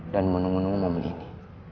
dan menunggu menunggu membeli ini